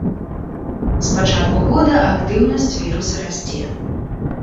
З пачатку года актыўнасць віруса расце.